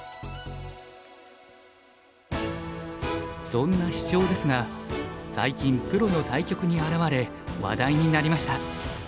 そんなシチョウですが最近プロの対局に現れ話題になりました。